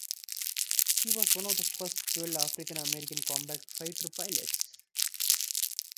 He was one of the first twelve African American combat fighter pilots.